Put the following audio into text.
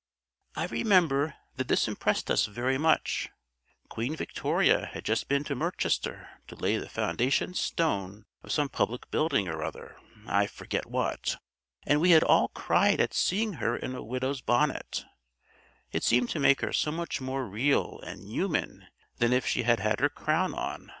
I remember that this impressed us very much: Queen Victoria had just been to Merchester to lay the foundation stone of some public building or other (I forget what), and we had all cried at seeing her in a widow's bonnet; it seemed to make her so much more real and human than if she'd had her crown on.